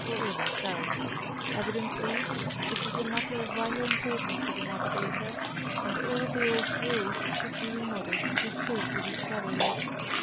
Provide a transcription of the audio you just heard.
or even South : evidently this is a matter of vital importance to the navigator, and all the old rules should be remodeled to suit the discovery.